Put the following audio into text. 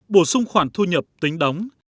bổ sung khoản thu nhập tính đóng